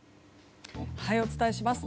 お伝えします。